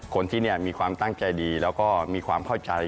คนที่นี่มีความตั้งใจดีแล้วก็มีความเข้าใจ